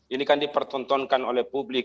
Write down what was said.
ini kan dipertontonkan oleh publik